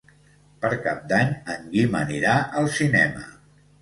Per Cap d'Any en Guim anirà al cinema.